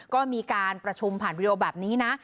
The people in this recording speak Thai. ก็มีการประชุมผ่านวีดีโอแบบนี้นะ